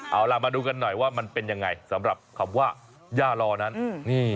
เอาล่ะมาดูกันหน่อยว่ามันเป็นยังไงสำหรับคำว่าย่าลอนั้นนี่